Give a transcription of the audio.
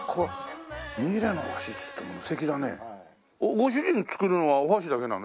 ご主人作るのはお箸だけなの？